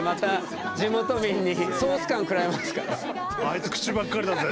「あいつ口ばっかりだぜ」